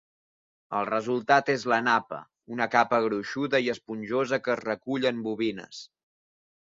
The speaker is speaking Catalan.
El resultat és la napa, una capa gruixuda i esponjosa que es recull en bobines.